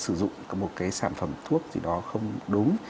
sử dụng một cái sản phẩm thuốc gì đó không đúng